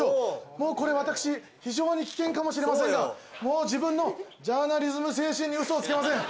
もうこれ私非常に危険かもしれませんが自分のジャーナリズム精神にウソはつけません。